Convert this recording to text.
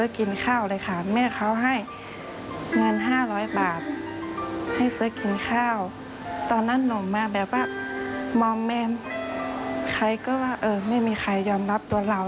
ข้าตื่นเข้าไปถดติดอะไรให้เองครับ